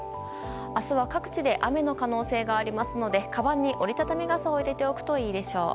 明日は各地で雨の可能性がありますのでかばんに折り畳み傘を入れておくといいでしょう。